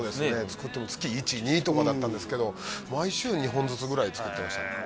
作っても月１２とかだったんですけど毎週２本ずつぐらい作ってましたね